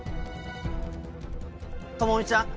朋美ちゃん